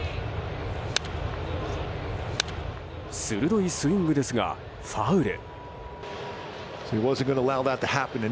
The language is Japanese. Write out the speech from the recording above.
鋭いスイングですがファウル。